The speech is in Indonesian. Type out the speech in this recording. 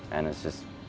dan ini bagus